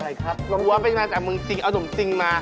แล้วครอบครัวนี่เป็นคนจีหมดไหม